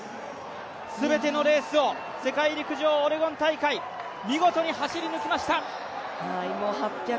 全てのレースを、世界陸上オレゴン大会、見事に走り抜きました。